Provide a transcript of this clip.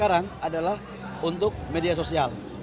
izin yang sekarang adalah untuk media sosial